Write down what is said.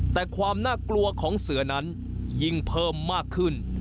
แต่ความน่ากลัวของเสือนั้นยิ่งเพิ่มมากขึ้น